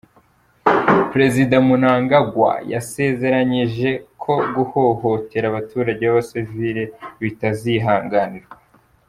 Perezida Mnangagwa yasezeranyije ko guhohotera abaturage b'abasivile bitazihanganirwa.